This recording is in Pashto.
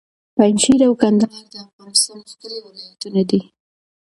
پنجشېر او کندهار د افغانستان ښکلي ولایتونه دي.